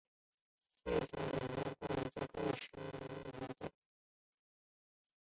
一些系统已经开发域名所有者来识别谁可以发送邮件。